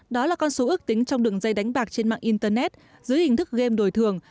đó là con số ước tính trong đường dây đánh bạc trên mạng internet dưới hình thức game đổi thường